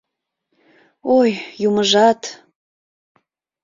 Ой, юмыжат!..